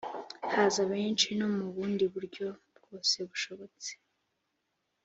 haza benshi no mu bundi buryo bwose bushobotse